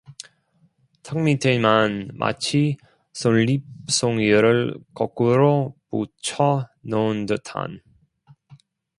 턱밑에만 마치 솔잎 송이를 거꾸로 붙여 놓은 듯한